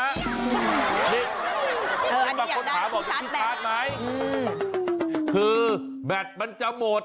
อันนี้อยากได้ที่ชาร์จแบตค่ะคือแบตมันจะหมด